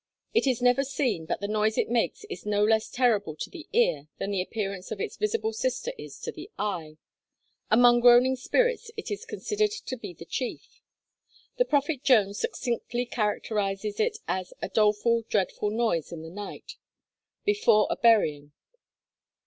It is never seen, but the noise it makes is no less terrible to the ear than the appearance of its visible sister is to the eye. Among groaning spirits it is considered to be the chief. The Prophet Jones succinctly characterises it as 'a doleful, dreadful noise in the night, before a burying.'